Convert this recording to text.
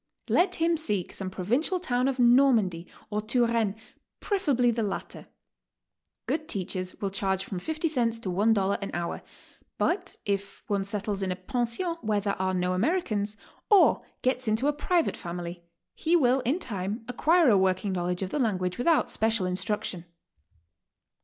Let him seek some provincial town of Normandy or Touraine, preferably the latter. Good teachers will charge from 50 cents to $i an hour, but if one settles in a pension where there are no Americans, or gets into a private family, he will in time acquire a working knowledge of the language without special instruction.